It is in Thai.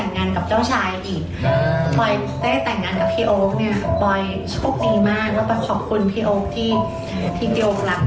ว่าจากเป็นและจากรายพี่โอ๊คกำพันไม่เสียรายชีวิตที่เกิดไปแล้วค่ะ